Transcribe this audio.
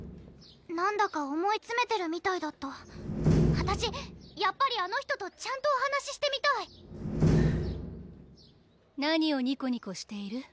なんだか思いつめてるみたいだったあたしやっぱりあの人とちゃんとお話ししてみたい何をニコニコしている？